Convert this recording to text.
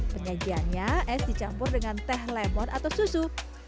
penyajiannya es dicampur dengan teh lemon atau susu